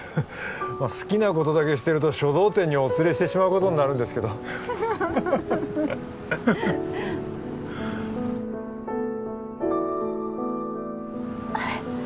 まあ好きなことだけしてると書道展にお連れしてしまうことになるんですけどあれ？